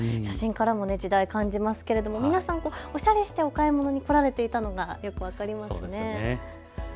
写真からも時代、感じますけど皆さん、オシャレしてお買い物に来られていたのが分かりますよね。